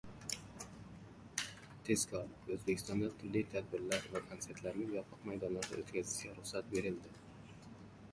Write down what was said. Tezkor! O‘zbekistonda turli tadbirlar va konsertlarni yopiq maydonlarda o‘tkazishga ruxsat berildi